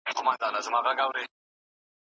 موږ په علمي دوره کي یو.